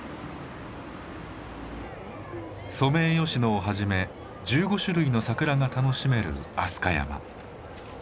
ソメイヨシノをはじめ１５種類の桜が楽しめる飛鳥山。